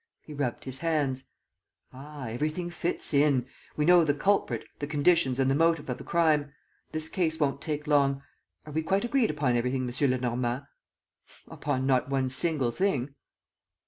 He rubbed his hands: "Ah, everything fits in! ... We know the culprit, the conditions and the motive of the crime. This case won't take long. Are we quite agreed upon everything, M. Lenormand?" "Upon not one single thing."